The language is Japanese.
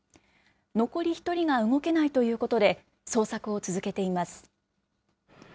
残り１人が動けないということで、捜索を続けています。